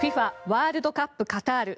ＦＩＦＡワールドカップカタール。